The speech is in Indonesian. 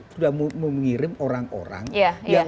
sudah mengirim orang orang